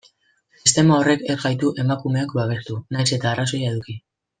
Sistema horrek ez gaitu emakumeok babestu, nahiz eta arrazoia eduki.